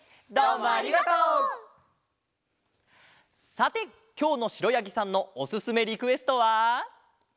さてきょうのしろやぎさんのおすすめリクエストは。